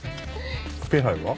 気配は？